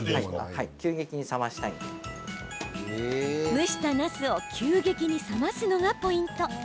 蒸した、なすを急激に冷ますのがポイント。